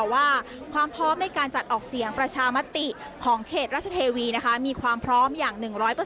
ว่าความพร้อมในการจัดออกเสียงประชามติของเขตราชเทวีมีความพร้อมอย่าง๑๐๐